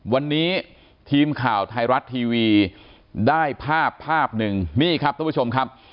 วันนี้ทีมข่าวไทยรัฐทีวีได้ภาพภาพหนึ่งนี่ครับทุกผู้ชมครับ